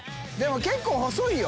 結構細いよ！